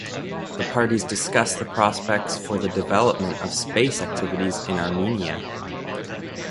The parties discussed the prospects for the development of space activities in Armenia.